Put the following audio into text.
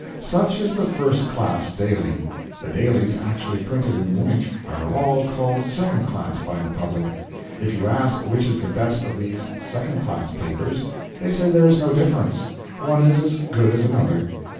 Such is the first class daily. The dailies actually printed in Munich are all called second class by the public. If you ask which is the best of these second class papers they say there is no difference; one is as good as another.